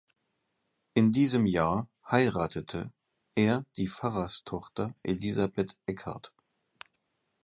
In diesem Jahr heiratete er die Pfarrerstochter Elisabeth Eckardt.